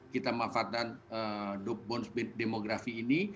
kita manfaatkan bonus demografi ini